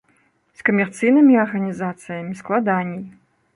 З камерцыйнымі арганізацыямі складаней.